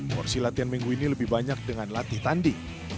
porsi latihan minggu ini lebih banyak dengan latih tanding